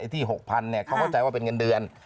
ที่หกพันเนี่ยเค้าเข้าใจว่าเป็นเงินเดือน